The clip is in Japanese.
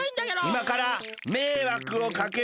いまからめいわくをかけるよ！